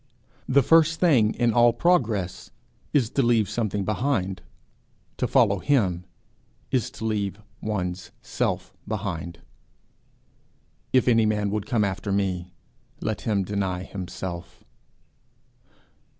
The first thing in all progress is to leave something behind; to follow him is to leave one's self behind. 'If any man would come after me, let him deny himself.'